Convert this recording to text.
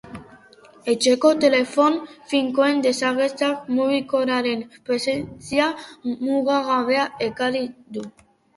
Etxeko telefono finkoen desagertzeak mugikorraren presentzia mugagabea ekarri du.